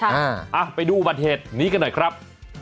อ่ะไปดูอุบัติเหตุนี้กันหน่อยครับ